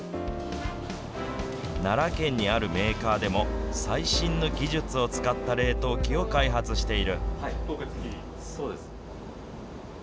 奈良県にあるメーカーでも、最新の技術を使った冷凍機を開発している。